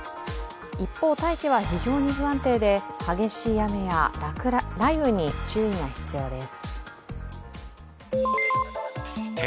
一方、大気は非常に不安定で、激しい雨や雷雨に注意が必要です。